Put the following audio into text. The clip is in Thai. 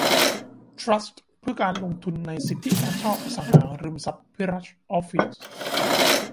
ทรัสต์เพื่อการลงทุนในสิทธิการเช่าอสังหาริมทรัพย์ภิรัชออฟฟิศ